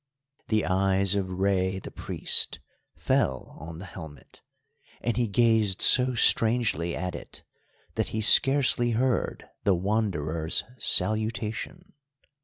The eyes of Rei the Priest fell on the helmet, and he gazed so strangely at it that he scarcely heard the Wanderer's salutation.